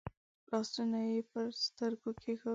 لاسونه يې پر سترګو کېښودل.